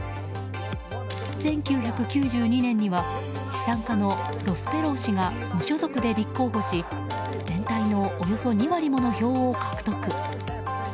１９９２年には資産家のロスペロー氏が無所属で立候補し全体のおよそ２割もの票を獲得。